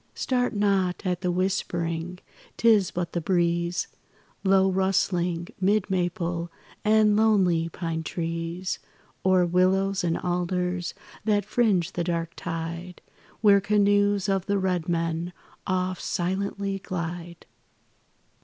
Start not at the whispering, 'tis but the breeze, Low rustling, 'mid maple and lonely pine trees, Or willows and alders that fringe the dark tide Where canoes of the red men oft silently glide.